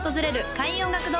開運音楽堂